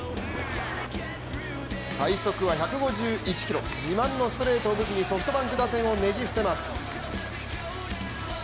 最速は１５１キロ、自慢のストレートを武器にソフトバンク打線をねじ伏せます。